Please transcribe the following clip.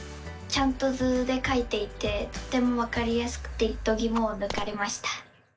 ちゃんと図でかいていてとてもわかりやすくてどぎもをぬかれました！